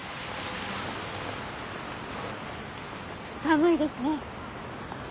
寒いですね。